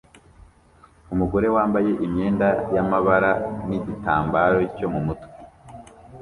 Umugore wambaye imyenda yamabara nigitambaro cyo mumutwe